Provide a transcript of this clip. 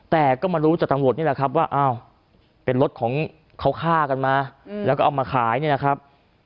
แต่ก็มารู้จากตำรวจนี่แหละครับว่าอ้าวเป็นรถของเขาฆ่ากันมาแล้วก็เอามาขายเนี่ยนะครับ